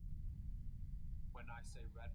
班戈毛茛为毛茛科毛茛属下的一个种。